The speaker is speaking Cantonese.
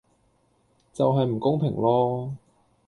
就係唔公平囉